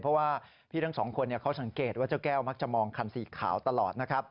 เพราะว่าพี่ทั้งสองคนเขาสังเกตว่าเจ้าแก้วมักจะมองคันสีขาวตลอดนะครับ